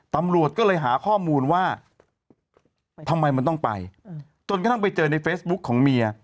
ตำรวจก็เลยหาข้อมูลว่าทำไมมันต้องไปจนกระทั่งไปเจอในเฟซบุ๊คของเมีย